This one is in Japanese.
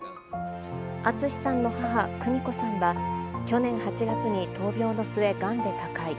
淳さんの母、久仁子さんは去年８月に闘病の末、がんで他界。